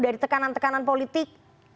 dari tekanan tekanan politik